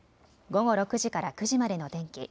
午後６時から９時までの天気。